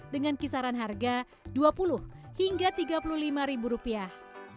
dengan kisaran harga dua puluh hingga tiga puluh lima ribu rupiah